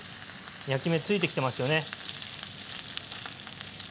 焼き目ついてきてますよね。